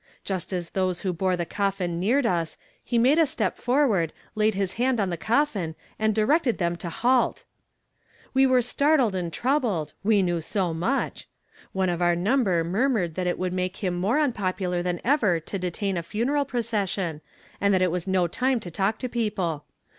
Just as those who bore the coffin neared us, he made a step forward, laid his hand on the coffin, and di rected them to halt. " We were startled and troubled ; we know so much ! One of our number murmured that it would make him more unpopular than ever to de tain a funeral procession, and that it was no time to talk to people.